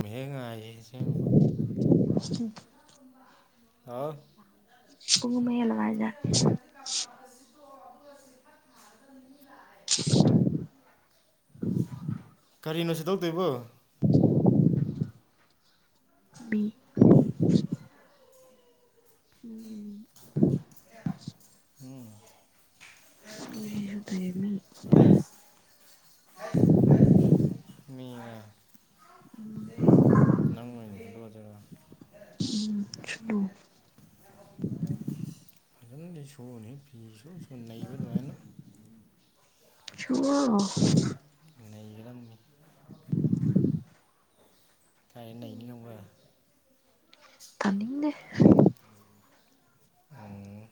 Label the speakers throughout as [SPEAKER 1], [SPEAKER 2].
[SPEAKER 1] ꯃ ꯉꯁꯤꯡ ꯑꯥꯎ
[SPEAKER 2] ꯄꯨꯃꯦꯂꯋꯥꯖ [inaudible]
[SPEAKER 1] ꯀꯔꯤꯅꯣ ꯁꯤ ꯇꯧꯗꯣꯏꯕꯣ
[SPEAKER 2] [inaudible] ꯕꯤ ꯃꯤꯒꯤꯃꯤ
[SPEAKER 1] ꯎꯝ
[SPEAKER 2] ꯅꯦꯁꯨ ꯇꯥꯏꯃꯤ
[SPEAKER 1] ꯃꯤꯅ ꯅꯪ ꯑꯣꯏꯅ ꯁꯤꯠꯂꯣꯗꯔꯥ
[SPEAKER 2] ꯎꯝꯂꯣ
[SPEAKER 1] ꯃ ꯁꯣꯟ ꯍ ꯄ ꯁ ꯁꯣꯟ ꯂꯩꯕ ꯅꯨꯡꯉꯅꯣ
[SPEAKER 2] ꯆꯨꯑꯣ
[SPEAKER 1] ꯂꯩꯕꯤꯔꯝꯃꯤ ꯀꯔꯦꯟꯅꯤ ꯑꯣꯕ
[SPEAKER 2] ꯇꯅꯤꯡꯦ
[SPEAKER 1] ꯎꯝ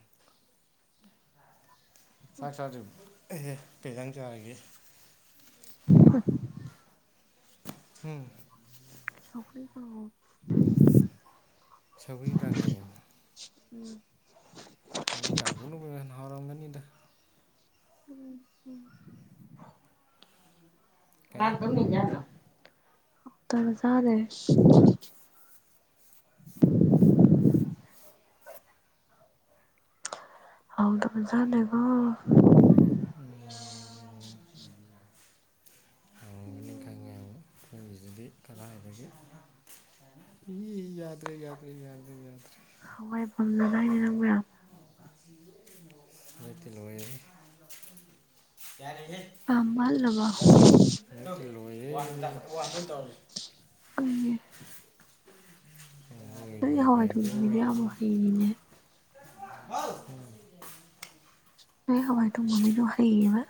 [SPEAKER 1] ꯆꯥꯛ ꯆꯥꯁꯨ ꯀꯩꯇꯪ ꯆꯥꯔꯒꯦ
[SPEAKER 2] ꯍꯣꯏ
[SPEAKER 1] ꯎꯝ
[SPEAKER 2] ꯁꯈꯔꯤ ꯇ
[SPEAKER 1] ꯁꯧꯔꯤ ꯅꯪꯣ
[SPEAKER 2] ꯎꯝ
[SPEAKER 1] ꯅꯪꯒꯤꯒꯥꯡꯒꯅ ꯃꯅ ꯅꯍꯥꯎꯔꯝꯒꯅꯤꯗ
[SPEAKER 2] ꯎꯝ ꯎꯝ
[SPEAKER 1] ꯀꯔꯤ
[SPEAKER 2] ꯖꯗꯦ ꯍꯥꯎꯗ ꯃꯖꯅꯦꯀꯣ
[SPEAKER 1] ꯃꯌꯥ ꯊꯥꯡꯒ ꯅꯤꯡ ꯈꯉꯦ ꯑꯃ ꯑꯩꯅꯒꯤꯗꯨꯗꯤ ꯀꯂꯥ ꯍꯥꯏꯕꯗꯒꯤ ꯌꯥꯗ꯭ꯔꯔꯤ ꯌꯥꯗ꯭ꯔꯔꯤ ꯌꯥꯗꯦ ꯌꯥꯗ꯭ꯔꯔꯤ
[SPEAKER 2] ꯍꯋꯥꯏꯐꯝꯅꯗꯥ ꯍꯥꯏꯅꯦ ꯅꯪꯕꯌꯥꯝ
[SPEAKER 1] ꯂꯇ ꯂ
[SPEAKER 2] ꯑꯥꯃꯜꯂꯕ
[SPEAKER 1] ꯂ
[SPEAKER 2] ꯀꯩꯒꯤ
[SPEAKER 1] ꯅꯪꯒꯤ
[SPEAKER 2] ꯑꯗꯨ
[SPEAKER 1] ꯂꯣꯏꯕ
[SPEAKER 2] ꯍꯋꯥꯏ
[SPEAKER 1] ꯍꯥꯏꯗꯣ
[SPEAKER 2] ꯊꯣꯡꯃꯤꯗꯤ ꯌꯥꯝ ꯍꯩꯔꯤꯅꯦ
[SPEAKER 1] ꯃꯥ
[SPEAKER 2] ꯍ ꯍꯋꯥꯏ ꯇ ꯃꯃꯤꯖ ꯍꯩꯌꯦꯕ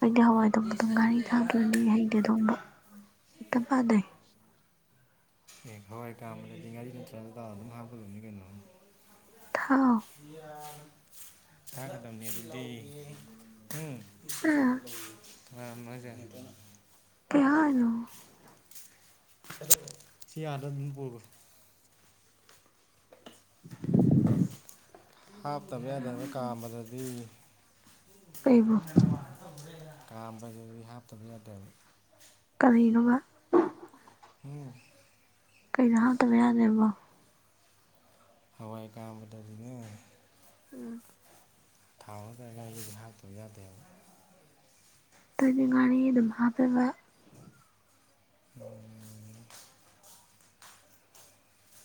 [SPEAKER 2] ꯑꯩꯗꯤ ꯍꯋꯥꯏꯗꯣꯡ ꯑꯗꯨꯝ ꯥꯔꯤ ꯊꯥꯗ꯭ꯔꯅꯤ ꯍꯩꯩꯅ ꯊꯣꯡꯕ ꯏꯇ ꯄꯅꯦ
[SPEAKER 1] ꯑꯦ ꯍꯋꯥꯏ ꯄꯥꯟꯕꯥꯝꯕꯗꯗꯤ ꯉꯥꯔꯤ ꯅꯇ꯭ꯔ ꯇ ꯑꯗꯨꯝ ꯍꯥꯞꯀꯗꯕꯅꯤ ꯀꯩꯅꯣ
[SPEAKER 2] ꯊꯥꯎ
[SPEAKER 1] ꯀꯗ ꯑꯗꯨꯗꯤ
[SPEAKER 2] ꯍꯥ
[SPEAKER 1] ꯎꯝ ꯃꯖꯗ
[SPEAKER 2] ꯀꯌꯥꯅꯣ
[SPEAKER 1] ꯁꯤ ꯌꯥꯗ ꯑꯗꯨꯝ ꯄꯨꯔꯣꯏ
[SPEAKER 2] [inaudible]
[SPEAKER 1] ꯍꯥꯞꯇꯕ ꯌꯥꯗꯕ ꯀꯥꯝꯕꯗꯗꯤ
[SPEAKER 2] ꯀꯩꯕꯨ
[SPEAKER 1] ꯀꯥꯝꯕꯁꯤꯗꯤ ꯍꯥꯞꯇꯕ ꯌꯥꯗꯦꯕ
[SPEAKER 2] ꯀꯔꯤꯅꯣꯕ
[SPEAKER 1] ꯎꯝ
[SPEAKER 2] ꯀꯩꯗ ꯍꯥꯡꯇꯕ ꯌꯥꯗꯦꯕꯣ
[SPEAKER 1] ꯍꯋꯥꯏ ꯀꯥꯥꯟꯕ ꯇꯗꯤꯅ
[SPEAKER 2] ꯎꯝ
[SPEAKER 1] ꯊꯥꯎꯔ ꯀ ꯂꯥꯏꯒꯤꯗꯤ ꯍꯥꯞꯇꯕ ꯌꯥꯗꯦꯕ
[SPEAKER 2] ꯇꯒꯤ ꯉꯥꯔꯤ ꯑꯗꯨꯝ ꯍꯥꯞꯆꯕ
[SPEAKER 1] ꯎꯝ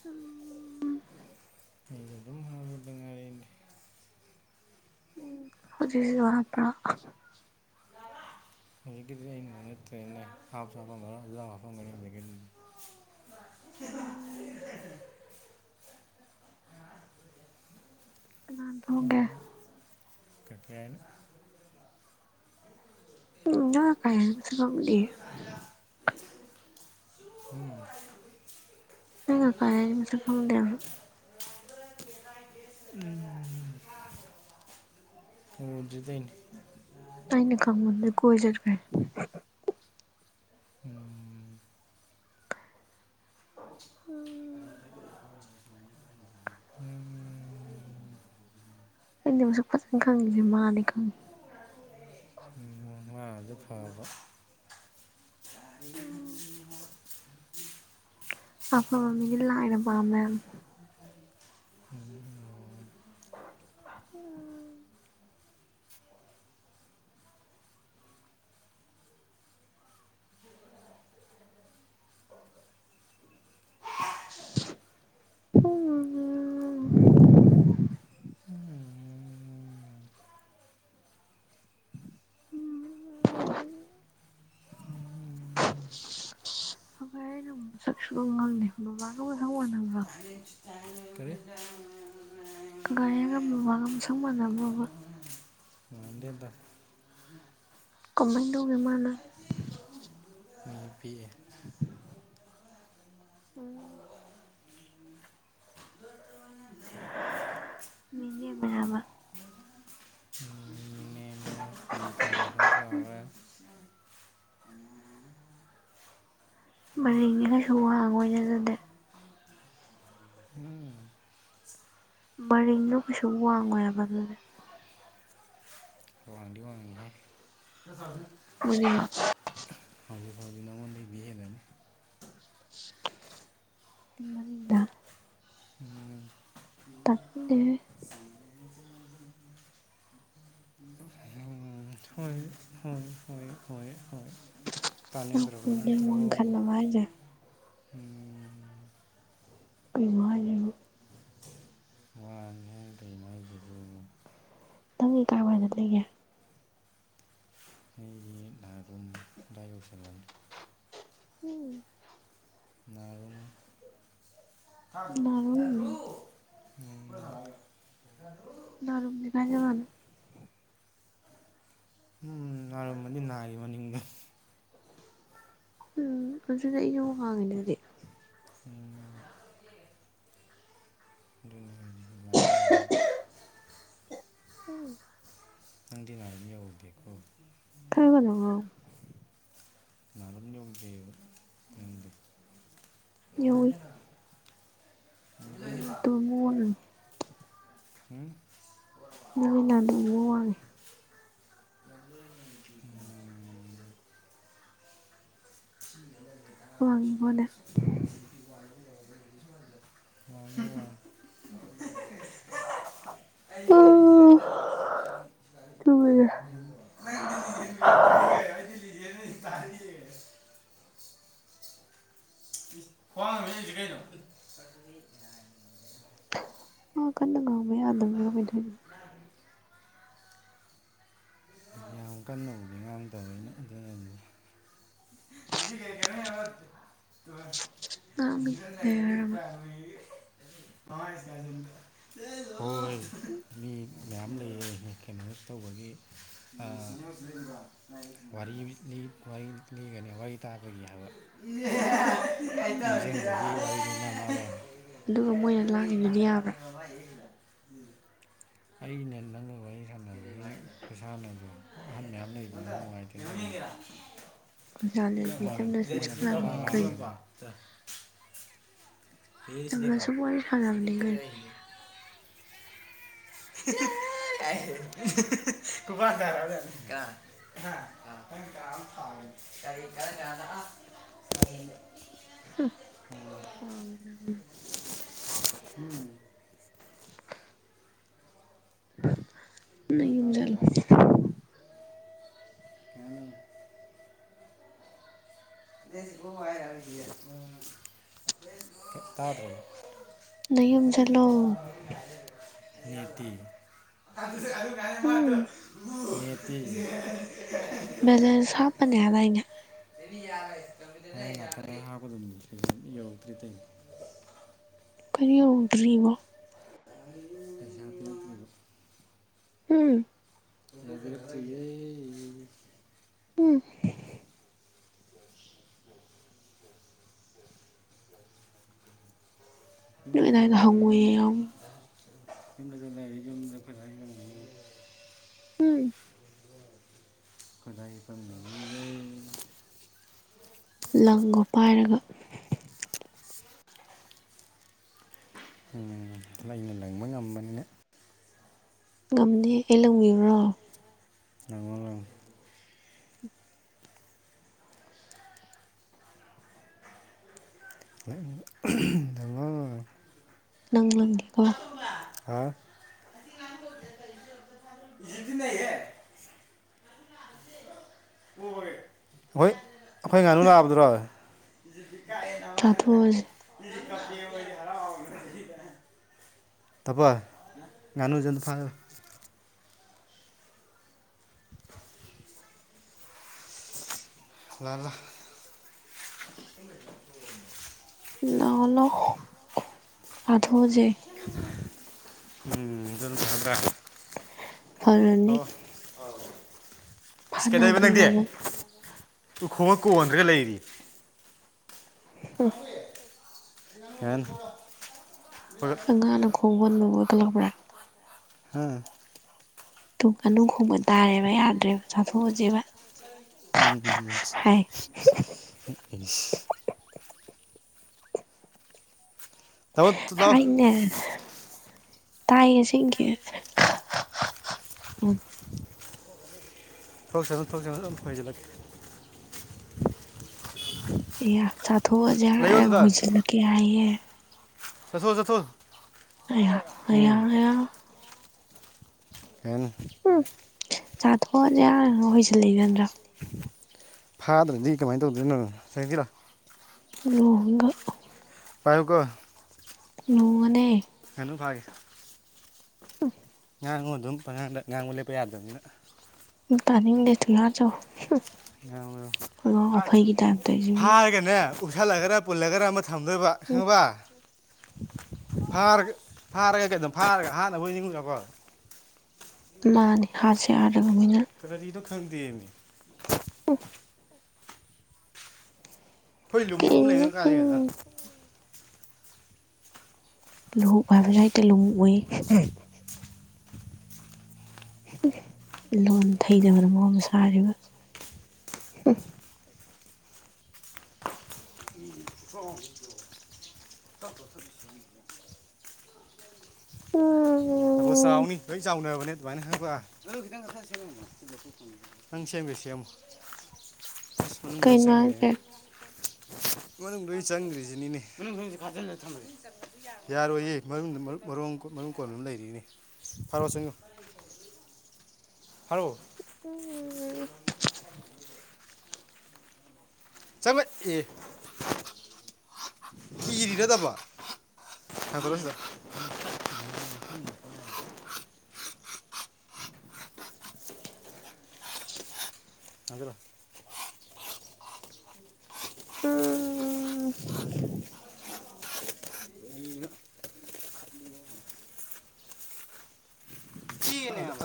[SPEAKER 2] ꯎꯝ
[SPEAKER 1] ꯅꯖ ꯑꯗꯨꯝ ꯍꯥꯂꯗ ꯑ
[SPEAKER 2] ꯎꯝ ꯍꯧꯖꯤꯁꯤ ꯋꯥꯄ꯭ꯔ [inaudible]
[SPEAKER 1] ꯍꯧꯖꯤꯛꯀꯤꯗꯤ ꯑꯩꯅ ꯉ ꯅꯠꯇ꯭ꯔꯦꯅꯦ ꯍꯥꯥꯞ ꯆ ꯍꯥꯞꯐꯝ ꯈ ꯑꯗꯨ ꯍꯥꯞꯐꯝꯒꯅꯤ ꯍꯧꯖꯤꯛꯗꯤ ꯍ
[SPEAKER 2] ꯂꯥꯟꯗ
[SPEAKER 1] ꯀꯇꯅ
[SPEAKER 2] ꯎꯝ ꯅ ꯀꯥꯏꯁꯨ ꯀꯝꯗꯤꯌꯦ
[SPEAKER 1] ꯎ
[SPEAKER 2] ꯑꯩ ꯀꯥꯏ ꯁ ꯈꯪꯗꯦ
[SPEAKER 1] ꯎ ꯑꯣꯖꯤꯗꯣꯏꯅꯤ
[SPEAKER 2] ꯑꯩꯅ ꯀꯃꯗ ꯀꯣꯏ ꯆꯠ
[SPEAKER 1] ꯎꯝ ꯎꯝ
[SPEAKER 2] ꯀꯩꯅ ꯃꯁꯨ ꯐꯖꯅ ꯈꯪꯉꯤꯁꯦ ꯃꯥꯅꯦ ꯈꯪꯉꯤ
[SPEAKER 1] ꯑꯗꯨꯗ ꯐꯕ
[SPEAKER 2] ꯎꯝ ꯑꯄꯥ ꯃꯤꯗꯤ ꯂꯥꯏꯅ ꯄꯥꯝꯃ ꯍꯥꯏꯝꯅꯤ
[SPEAKER 1] ꯎ
[SPEAKER 2] ꯑꯩꯈꯣꯏ ꯑꯣ
[SPEAKER 1] ꯎꯝ
[SPEAKER 2] ꯎꯝ ꯍꯚꯣꯏ ꯑꯩꯅ ꯃꯁꯛ ꯁꯨꯕ ꯉꯝꯂꯦ ꯃꯃꯥꯒ ꯑꯣꯏꯣꯏ ꯍꯪ ꯃꯅꯕ꯭ꯔꯥ
[SPEAKER 1] ꯀꯔꯤ
[SPEAKER 2] ꯀꯒ ꯑꯉꯝꯕꯕꯥꯒꯝ ꯁꯪ ꯃꯥꯟꯅꯕ
[SPEAKER 1] ꯂꯗꯦꯕ
[SPEAKER 2] ꯀꯝꯃꯥꯏꯅ ꯇꯧ ꯃꯥꯅ
[SPEAKER 1] ꯃꯤ ꯄꯤꯑ
[SPEAKER 2] [inaudible] ꯎꯝ ꯃꯤꯅꯦꯕꯕ
[SPEAKER 1] ꯅꯦꯝꯃꯦ ꯐꯤ ꯈꯔ ꯃꯁꯥ ꯆꯥꯎꯔꯦ
[SPEAKER 2] ꯃꯔꯤꯡ ꯀꯩꯁꯨ ꯋꯥꯡꯉꯣꯏ ꯑꯣꯏꯅ ꯑꯗꯨꯗ
[SPEAKER 1] ꯎꯝ
[SPEAKER 2] ꯃꯔꯤꯡꯗꯣ ꯀꯩꯁꯨ ꯋꯥꯡꯉꯣꯏꯕ ꯑꯗꯨꯗꯤ
[SPEAKER 1] ꯔ ꯋꯥꯥꯡꯗꯤ ꯋꯥꯉ ꯏꯅꯦ ꯐ ꯊꯅꯤ
[SPEAKER 2] ꯎꯝ
[SPEAKER 1] ꯐꯥꯎꯂꯤ ꯐꯥꯎꯂꯤꯅꯉꯗ ꯂꯩꯕꯤ ꯍꯕꯅꯤ
[SPEAKER 2] ꯏ ꯃꯅꯨꯡꯗ
[SPEAKER 1] ꯎꯝ
[SPEAKER 2] ꯇꯞꯄꯦ
[SPEAKER 1] ꯎꯝ ꯍꯣꯏ ꯍꯣꯏ ꯍꯣꯏ ꯍꯣꯏ ꯍꯣꯏ ꯇꯥꯅꯤꯡꯗ꯭ꯔꯕ ꯅꯠꯇ꯭ꯔꯣ
[SPEAKER 2] ꯃꯡ ꯈꯜꯂꯉꯥꯏꯖꯦ
[SPEAKER 1] ꯎꯝ
[SPEAKER 2] ꯀꯩ ꯍꯥꯏꯅꯤ
[SPEAKER 1] ꯋꯥꯅꯤꯉꯥꯏ ꯀꯩꯅꯣ ꯍꯥꯏꯁꯤꯗꯨ
[SPEAKER 2] ꯅꯪꯒꯤ ꯀꯔꯕꯥꯏꯗ ꯂꯩꯒꯦ
[SPEAKER 1] ꯑꯩꯣꯏ ꯂꯅꯥ ꯑꯗꯨꯨꯝ ꯏ ꯌꯧꯁꯜꯂ
[SPEAKER 2] ꯎꯝ
[SPEAKER 1] [unintelligible]
[SPEAKER 2] [unintelligible]
[SPEAKER 1] ꯎꯝ
[SPEAKER 2] ꯔꯨꯝꯖꯤꯈꯖꯒ
[SPEAKER 1] ꯎꯝ ꯅꯥꯔꯝꯃꯗꯤ ꯅꯥꯒꯤ ꯃꯅꯤꯡꯗ
[SPEAKER 2] ꯎꯝ ꯑꯗꯨꯗꯤ ꯑꯩꯁꯨ ꯋꯥꯡꯉꯤꯅꯗꯤ
[SPEAKER 1] ꯎꯝ ꯑꯗꯨꯃꯥꯏꯅ ꯂꯩꯔꯦ ꯍꯥꯏꯕ
[SPEAKER 2] ꯎꯝ
[SPEAKER 1] ꯑꯪ ꯗꯤꯅꯤꯌ ꯗꯈ
[SPEAKER 2] [unintelligible]
[SPEAKER 1] [unintelligible] [unintelligible] ꯅꯪꯗꯤ
[SPEAKER 2] [unintelligible] [unintelligible]
[SPEAKER 1] ꯎꯝ
[SPEAKER 2] ꯅꯣꯏꯅ ꯑꯗꯨꯝ ꯋꯥꯡꯉꯦ ꯋꯥꯉꯉꯣꯅꯦ
[SPEAKER 1] [unintelligible] [unintelligible]
[SPEAKER 2] ꯇꯨꯝꯃꯤꯔ
[SPEAKER 1] [unintelligible] [unintelligible] [unintelligible] ꯀꯥꯏ [unintelligible] [unintelligible]
[SPEAKER 2] ꯋꯥ ꯀꯟꯅ ꯉꯥꯡꯕ ꯌꯥꯗꯕꯔ ꯀꯩꯗꯧꯅꯣ
[SPEAKER 1] ꯌꯥꯝ ꯀꯟꯅꯕꯨꯗꯤ ꯉꯥꯡꯗꯕꯩꯅ ꯑꯗꯨꯅꯗꯤ
[SPEAKER 2] [inaudible]
[SPEAKER 1] [inaudible] ꯂꯤꯖꯤꯗ ꯂꯩꯕꯒꯤ
[SPEAKER 2] [unintelligible]
[SPEAKER 1] ꯄ꯭ꯔꯥꯏꯃꯔꯤ [unintelligible] ꯍꯣꯏ
[SPEAKER 2] ꯎꯝ
[SPEAKER 1] ꯃꯤ ꯃꯌꯥꯝ ꯂꯩꯌꯦ ꯀꯩꯅꯣ ꯇꯧꯕꯒꯤ ꯋꯥꯔꯤ ꯂꯤꯒꯅꯤ ꯋꯥꯔꯤ ꯇꯥꯕꯒꯤ ꯍꯥꯏꯕ [unintelligible]
[SPEAKER 2] ꯎꯝ
[SPEAKER 1] [unintelligible]
[SPEAKER 2] ꯑꯗꯨꯒ ꯃꯣꯏꯅ ꯂꯥꯡꯉꯤꯗꯨꯗꯤ ꯌꯥꯕ꯭ꯔꯥ
[SPEAKER 1] [unintelligible] ꯎꯝ ꯑꯩꯅ ꯅꯪꯒ ꯋꯥꯔꯤ ꯁꯥꯟꯅꯕꯒꯤ ꯈꯨꯁꯥꯅꯗꯣ ꯑꯍꯟ ꯃꯌꯥꯝ ꯂꯩꯕꯅ ꯅꯨꯡꯉꯥꯏꯇꯦ
[SPEAKER 2] ꯈꯨꯁꯥꯅꯗꯤ ꯆꯨꯝꯅ ꯁꯨꯝ ꯁꯥꯅꯕꯅꯤ ꯀꯩꯅꯣ
[SPEAKER 1] [unintelligible]
[SPEAKER 2] ꯆꯨꯝꯅ ꯁꯨꯝ ꯋꯥꯔꯤ ꯁꯅꯕꯅꯤ ꯀꯩꯅꯣ
[SPEAKER 1] [unintelligible] [unintelligible] [unintelligible]
[SPEAKER 2] [unintelligible]
[SPEAKER 1] [unintelligible] ꯎꯝ
[SPEAKER 2] ꯅꯌꯨꯝ ꯆꯠꯂꯣ
[SPEAKER 1] [unintelligible] [unintelligible] ꯇꯥꯕ꯭ꯔꯣ
[SPEAKER 2] ꯅꯌꯨꯝ ꯆꯠꯂꯣ ꯎꯝ ꯕꯦꯂꯦꯟꯁ ꯍꯥꯞꯅꯦ ꯍꯥꯏꯗꯥꯏꯅꯦ
[SPEAKER 1] [unintelligible]
[SPEAKER 2] ꯀꯔꯤ ꯌꯧꯗꯔꯤꯕꯣ ꯍꯨꯝ
[SPEAKER 1] [unintelligible]
[SPEAKER 2] ꯎꯝ ꯅꯣꯏ ꯑꯗꯥꯏꯗꯣ ꯍꯪꯉꯣꯏ ꯌꯥꯎ
[SPEAKER 1] ꯌꯨꯝ ꯐꯖꯥ ꯂꯩꯔꯥ ꯌꯨꯝꯗ [unintelligible]
[SPEAKER 2] ꯎꯝ
[SPEAKER 1] ꯈꯣꯗꯥꯏ ꯐꯝꯃꯤꯅꯤꯅꯦ
[SPEAKER 2] ꯂꯪꯒꯣ ꯄꯥꯏꯔꯒ
[SPEAKER 1] ꯎ ꯄꯨꯡꯂꯪꯗ ꯂꯥꯡꯕ ꯉꯝꯕꯅꯤꯅ
[SPEAKER 2] ꯉꯝꯅꯤ ꯑꯩ ꯂꯪꯕꯤꯌꯨꯔꯣ
[SPEAKER 1] [unintelligible]
[SPEAKER 2] ꯅꯪ ꯂꯡꯒꯦꯀꯣ
[SPEAKER 1] ꯍꯥꯎ ꯗꯤꯍꯦꯗꯤ ꯅꯩꯍꯦ ꯄꯣꯏꯌꯦ ꯑꯩꯈꯣꯏ ꯉꯥꯅꯨ ꯂꯥꯕꯗꯨꯔꯣ
[SPEAKER 2] ꯆꯥꯊꯣꯛꯑꯁꯦ
[SPEAKER 1] [unintelligible] ꯊꯕꯥꯏ ꯉꯅꯨꯖꯦ ꯑꯝꯇ ꯐꯥ ꯂꯥ ꯂꯥ [unintelligible]
[SPEAKER 2] ꯂꯥꯎ ꯂꯥꯥꯎ ꯆꯥꯊꯣꯖꯦ
[SPEAKER 1] ꯎꯝ ꯑꯗꯨꯅ ꯐꯔꯥꯗ꯭ꯔꯥ
[SPEAKER 2] ꯐꯔꯥꯅꯤ
[SPEAKER 1] [unintelligible] ꯏꯁ ꯀꯩꯗꯧꯏꯕ ꯅꯪꯗꯤ
[SPEAKER 2] ꯐꯥꯅꯗꯅꯕ
[SPEAKER 1] ꯎꯈꯣꯡ ꯀꯣꯟꯗꯅꯒ ꯂꯩꯔꯤ
[SPEAKER 2] ꯍꯝ
[SPEAKER 1] [unintelligible]
[SPEAKER 2] ꯑꯉꯥꯡꯅ ꯈꯣꯡꯕ ꯅꯨꯒꯜꯂꯕ꯭ꯔꯥ
[SPEAKER 1] ꯍꯥ
[SPEAKER 2] ꯇꯨ ꯉꯅꯨ ꯈꯣꯡꯕ ꯇꯥꯔꯦꯕ ꯌꯥꯗ꯭ꯔꯦꯕ ꯆꯥꯊꯣꯛꯑꯁꯦꯕ ꯍꯥꯏ
[SPEAKER 1] ꯍꯝ [inaudible] ꯇꯥꯃꯣ ꯂꯥꯎ
[SPEAKER 2] ꯍꯥꯏꯅꯦ ꯇꯥꯏꯌꯦ ꯑꯁꯦꯡꯒꯤ ꯎꯝ
[SPEAKER 1] ꯔꯣꯛꯁꯅꯨ ꯊꯣꯛꯁꯅꯨ ꯑꯗꯨꯝ ꯍꯣꯏꯖꯜꯂꯒꯦ ꯎ [unintelligible]
[SPEAKER 2] ꯑꯌꯥ ꯆꯥꯊꯣꯛꯑꯁꯦ ꯍꯥꯏꯔꯒ ꯍꯣꯏꯁꯤꯜꯂꯛꯀꯦ ꯍꯥꯏꯌꯦ
[SPEAKER 1] ꯆꯠꯊꯣꯛ ꯆꯠꯊꯣꯛ
[SPEAKER 2] ꯑꯌꯥ ꯑꯌꯥ
[SPEAKER 1] ꯎꯝ
[SPEAKER 2] ꯑꯌꯥ
[SPEAKER 1] ꯑꯦꯟ
[SPEAKER 2] ꯎꯝ ꯆꯥꯊꯣꯛꯑꯁꯤ ꯍꯥꯢꯔꯒ ꯍꯣꯏꯁꯤꯜꯂꯛꯏ ꯅꯠꯇꯔꯣ
[SPEAKER 1] ꯐꯥꯗ꯭ꯔꯗꯤ ꯀꯃꯥꯏꯅ ꯇꯧꯗꯣꯏꯅꯣ ꯆꯪꯖꯤꯜꯂꯣ
[SPEAKER 2] ꯂꯨꯍꯣꯡꯒ
[SPEAKER 1] ꯄꯥꯏꯌꯨꯀꯣ
[SPEAKER 2] ꯅꯣꯅꯦ [inaudible]
[SPEAKER 1] ꯉꯥꯅꯨꯐꯥꯏ [inaudible]
[SPEAKER 2] ꯑ [inaudible]
[SPEAKER 1] ꯉꯥꯡꯉꯨ ꯑꯗꯨꯝ ꯄꯪꯉꯥꯡꯗ ꯉꯥꯡꯉꯨ ꯂꯦꯞꯄ ꯌꯥꯗꯕꯅꯤꯅ
[SPEAKER 2] ꯇꯥꯅꯤꯡꯗꯦ ꯊꯨꯅꯆꯧ ꯇꯧꯏꯁꯤꯕꯨ
[SPEAKER 1] ꯐꯥꯔꯒꯅꯦ ꯎꯞꯁꯜꯂꯒꯔ ꯄꯨꯜꯂꯒꯔ ꯊꯝꯗꯣꯏꯕ
[SPEAKER 2] ꯎꯝ
[SPEAKER 1] ꯈꯪꯉꯥꯕ ꯐꯥꯔꯒ ꯐꯥꯔꯒ ꯀꯩꯅꯣ ꯐꯥꯔꯒ ꯍꯥꯠꯅꯕ ꯑꯣꯅ ꯅꯤꯡꯉꯨꯔꯕꯣ
[SPEAKER 2] ꯃꯥꯅꯦ ꯍꯥꯠꯁꯦ ꯌꯥꯗꯔꯝꯅꯤꯅ
[SPEAKER 1] ꯀꯔꯤꯅꯣ ꯈꯪꯗꯦꯃꯦ
[SPEAKER 2] ꯑꯣ [inaudible]
[SPEAKER 1] ꯑꯩꯈꯣꯏ ꯂꯨꯍꯣꯡꯕ ꯑꯃ
[SPEAKER 2] ꯀꯔꯤꯅꯣ
[SPEAKER 1] ꯂꯩ
[SPEAKER 2] ꯁꯤ
[SPEAKER 1] ꯀꯥꯂꯦꯟꯗ
[SPEAKER 2] ꯂꯨꯍꯣꯡ ꯍꯥꯏꯕꯁꯨ ꯍꯥꯏꯛꯇ ꯂꯨ ꯎꯏ [inaudible] ꯂꯣꯟ ꯊꯩꯗꯕꯅ ꯃꯑꯣꯡ ꯁꯥꯔꯤꯕ
[SPEAKER 1] ꯑꯣ [inaudible]
[SPEAKER 2] ꯑꯝꯝꯝ
[SPEAKER 1] ꯌꯥꯝ ꯊꯨꯅ ꯆꯥꯎꯅꯤ ꯂꯣꯏꯆꯥꯎꯅꯔꯕꯅꯦ ꯑꯗꯨꯃꯥꯏꯅ ꯈꯪꯕꯔꯥ ꯅꯪ ꯁꯦꯝꯒꯦ ꯁꯦꯝꯃꯣ ꯃꯅꯨꯡ ꯂꯣꯢ
[SPEAKER 2] ꯀꯩꯅꯣ ꯍꯥꯏꯁꯦ
[SPEAKER 1] ꯆꯪꯒꯔꯦꯅꯦ
[SPEAKER 2] [inaudible]
[SPEAKER 1] ꯃꯅꯨꯡꯗ ꯆꯪꯈ꯭ꯔꯤꯁꯤꯅꯤꯅꯦ ꯃꯅꯨꯡꯗꯥ ꯊꯥꯖꯤꯟꯂ ꯊꯝꯃꯁꯦ ꯌꯥꯔꯣꯏꯌꯦ ꯃꯔ ꯃꯔ ꯃꯔꯨꯝ ꯀꯣꯟ ꯑꯃ ꯂꯩꯔꯤꯅꯦ ꯐꯔꯣꯑꯣ ꯆꯪꯉꯣ ꯐꯔꯣ
[SPEAKER 2] ꯎꯝ ꯎꯝ [inaudible]
[SPEAKER 1] ꯆꯪꯉꯣ ꯑꯦ ꯊꯤꯒꯗꯕ ꯊꯟꯒꯠꯂꯣꯁꯤꯗ ꯊꯥꯡꯒꯠꯂꯣ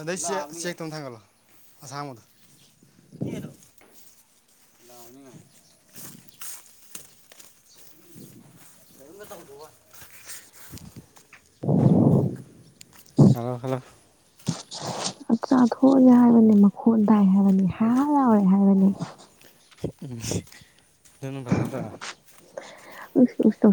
[SPEAKER 1] ꯗꯩꯁ ꯆꯦꯛ ꯇꯧꯝ ꯊꯪꯒꯂꯣ ꯑꯁꯝꯗ [inaudible] [inaudible] [unintelligible] ꯍꯥꯜꯂꯣ ꯍꯥꯜꯂꯣ
[SPEAKER 2] ꯆꯥꯊꯣꯛꯑꯒꯦ ꯍꯥꯏꯕꯅꯤ ꯃꯈꯣꯟ ꯇꯥꯏ ꯍꯥꯏꯕꯅꯤ ꯍꯥ ꯍꯥ ꯂꯥꯎꯔꯦ ꯍꯥꯏꯕꯅꯦ
[SPEAKER 1] ꯎꯝ ꯑꯗꯨꯅ ꯐꯔꯗꯔꯥ
[SPEAKER 2] [inaudible]